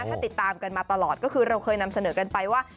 ถ้าติดตามกันมาตลอดก็คือเราเคยนำเสนอกันไปว่า